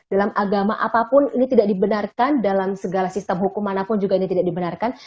dalam agama apapun ini tidak dibenarkan dalam segala sistem hukum manapun juga ini tidak dibenarkan